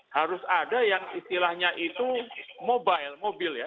harus ada yang istilahnya itu mobile mobil ya